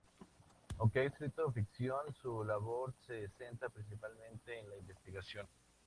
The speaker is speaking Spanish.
Aunque ha escrito ficción, su labor se centra principalmente en la investigación.